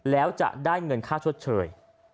แล้วจะได้เงินค่าชดเชย